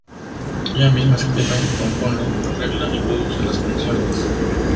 Ella misma escribe, compone, arregla y produce las canciones.